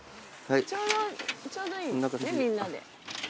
ちょうどいいですねみんなで。